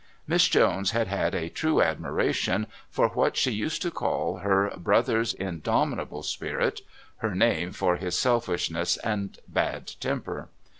Miss Jones had had a true admiration for what she used to call "her brother's indomitable spirit," her name for his selfishness and bad temper.